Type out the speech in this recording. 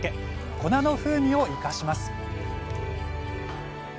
粉の風味を生かします